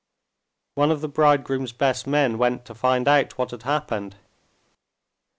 One of the bridegroom's best men went to find out what had happened.